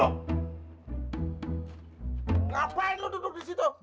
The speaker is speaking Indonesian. ngapain lo duduk di situ